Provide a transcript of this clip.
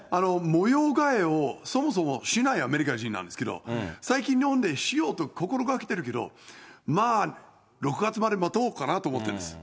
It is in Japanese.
模様替えを、そもそもしないアメリカ人なんですけど、最近、日本でしようと心がけてるけど、まあ６月まで待とうかなと思ってるんです。